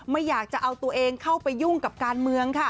ไม่อยากจะเอาตัวเองเข้าไปยุ่งกับการเมืองค่ะ